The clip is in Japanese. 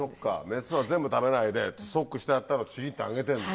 メスは全部食べないでストックしてあったのをちぎってあげてんの。